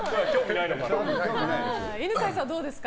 犬飼さんはどうですか？